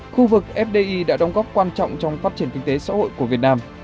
khu vực fdi đã đóng góp quan trọng trong phát triển kinh tế xã hội của việt nam